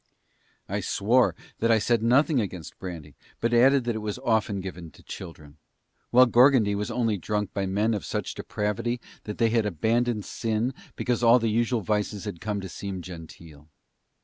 I swore that I said nothing against brandy but added that it was often given to children, while Gorgondy was only drunk by men of such depravity that they had abandoned sin because all the usual vices had come to seem genteel.